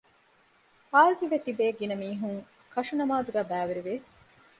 ހާޒިވެތިބޭ ގިނަ މީހުން ކަށުނަމާދުގައި ބައިވެރި ވެ